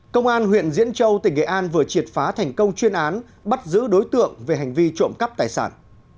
công an huyện diễn châu tỉnh nghệ an vừa triệt phá thành công chuyên án bắt giữ đối tượng về hành vi trộm cắp tài sản